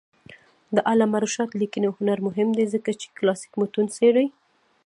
د علامه رشاد لیکنی هنر مهم دی ځکه چې کلاسیک متون څېړي.